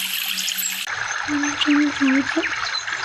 潘珍族子。